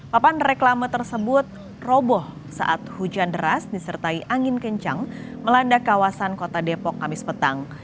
papan reklame tersebut roboh saat hujan deras disertai angin kencang melanda kawasan kota depok kamis petang